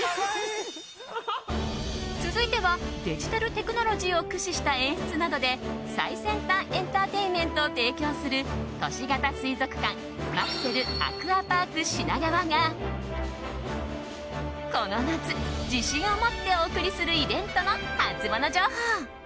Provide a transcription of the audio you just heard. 続いてはデジタルテクノロジーを駆使した演出などで最先端エンターテインメントを提供する都市型水族館マクセルアクアパーク品川がこの夏、自信を持ってお送りするイベントのハツモノ情報。